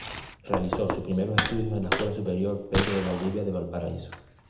Realizó sus primeros estudios en la Escuela Superior ""Pedro de Valdivia"" de Valparaíso.